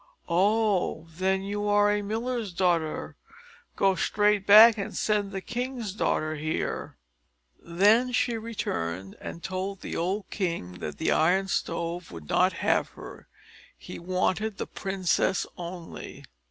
"Oh, then, you are a miller's daughter; go straight back and send the king's daughter here!" Then she returned and told the old king that the Iron Stove would not have her; he wanted the princess only.